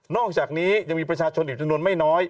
อกจากนี้ยังมีประชาชนอีกจำนวนไม่น้อย